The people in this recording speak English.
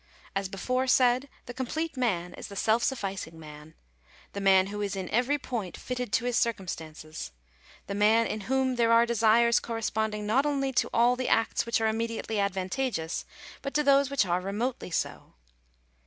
As before said, the complete man is the self sufficing man — the man who is in every point fitted to his circumstances — the man in whom there are desires corresponding not only to all the acts which are immediately advantageous, but to those which are remotely so.